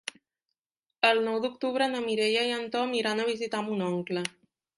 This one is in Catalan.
El nou d'octubre na Mireia i en Tom iran a visitar mon oncle.